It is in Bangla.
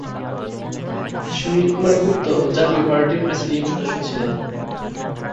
সুনীল কুমার গুপ্ত জাতীয় পার্টির প্রেসিডিয়াম সদস্য ছিলেন।